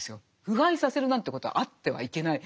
腐敗させるなんていうことはあってはいけない。